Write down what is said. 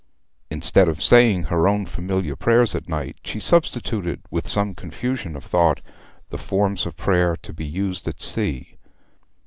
Instead of saying her own familiar prayers at night she substituted, with some confusion of thought, the Forms of Prayer to be used at sea.